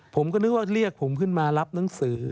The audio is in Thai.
ผมก็นึกว่าเรียกผมขึ้นมารับหนังสือ